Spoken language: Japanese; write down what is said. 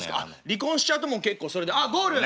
離婚しちゃうともう結構それであっゴール！